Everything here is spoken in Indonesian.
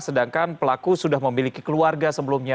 sedangkan pelaku sudah memiliki keluarga sebelumnya